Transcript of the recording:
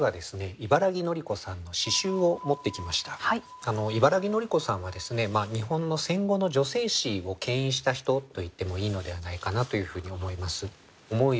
茨木のり子さんは日本の戦後の女性史をけん引した人と言ってもいいのではないかなというふうに思います。